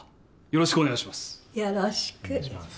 よろしくお願いします。